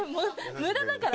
無駄だから。